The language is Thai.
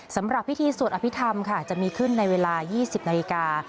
สำหรับพิธีสวดอภิษฐรรมค่ะจะมีขึ้นในเวลา๒๐นาฬิกา